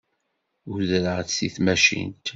Udreɣ-d seg tmacint.